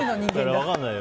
分からないよ。